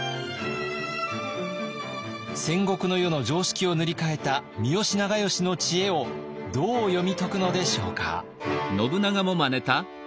戦国の世の常識を塗り替えた三好長慶の知恵をどう読み解くのでしょうか。